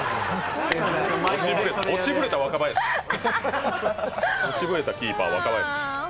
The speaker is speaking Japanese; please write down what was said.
落ちぶれたキーパー・若林。